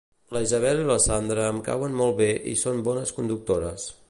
La Isabel i la Sandra em cauen molt bé i són bones conductores